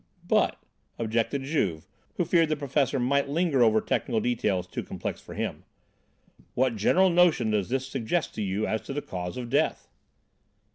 "But," objected Juve, who feared the professor might linger over technical details too complex for him, "what general notion does this suggest to you as to the cause of death?"